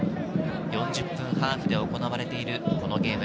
４０分ハーフで行われているこのゲーム。